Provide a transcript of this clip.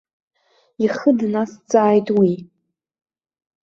Ихы дназҵааит уи.